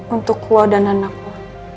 untuk lo dan anakmu